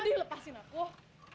jodi lepasin aku